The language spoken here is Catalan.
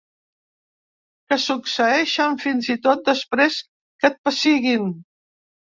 Que succeeixen fins i tot després que et pessiguin.